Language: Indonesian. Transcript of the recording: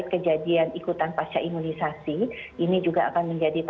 doko monast nibat ada park version apabila itu buckle kliknya ya